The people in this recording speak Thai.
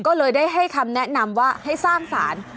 ก็เลยได้ให้คำแนะนำว่าให้สร้างสาร